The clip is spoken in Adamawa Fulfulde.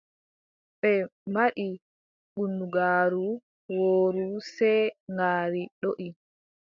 Ɓe mbaɗi bundugaaru wooru sey ngaari doʼi.